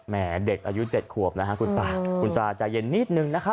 เด็กอายุ๗ขวบนะฮะคุณตาคุณตาใจเย็นนิดนึงนะครับ